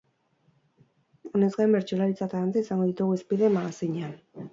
Honez gain, bertsolaritza eta dantza izango ditugu hizpide magazinean.